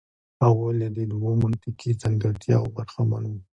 هغوی له دې دوو منطقي ځانګړتیاوو برخمن وو.